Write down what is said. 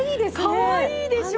かわいいでしょ！